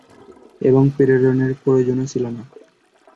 এবং প্রেরণের প্রয়োজনও ছিল না।